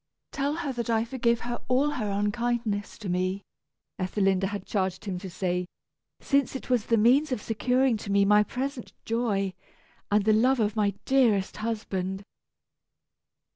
"Tell her that I forgive her all her unkindness to me," Ethelinda had charged him to say, "since it was the means of securing to me my present joy, and the love of my dearest husband."